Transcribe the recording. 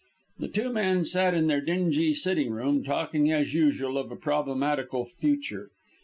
The two men sat in their dingy sitting room talking as usual of a problematical future.